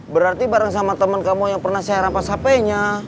berarti bareng sama temen kamu yang pernah saya rampas hp nya